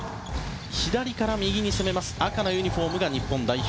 左から右に攻めます赤のユニホームが日本代表。